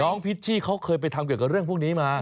พิชชี่เขาเคยไปทำเกี่ยวกับเรื่องพวกนี้มา